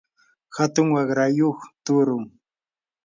atun waqrayuq tuuru.